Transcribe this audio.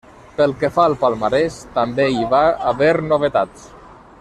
Pel que fa al palmarès, també hi va haver novetats.